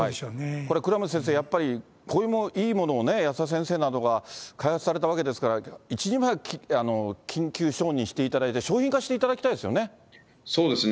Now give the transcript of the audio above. これ、倉持先生、こういういいものを保田先生などが開発されたわけですから、一日も早く緊急承認していただいて、商品化していただきたいですそうですね。